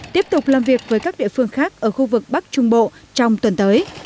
tiếp tục làm việc với các địa phương khác ở khu vực bắc trung bộ trong tuần tới